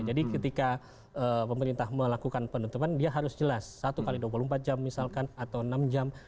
jadi ketika pemerintah melakukan penutupan dia harus jelas satu kali dua puluh empat jam misalkan atau enam jam